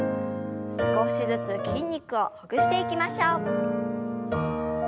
少しずつ筋肉をほぐしていきましょう。